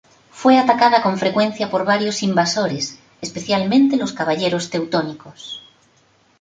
Fue atacada con frecuencia por varios invasores, especialmente los Caballeros Teutónicos.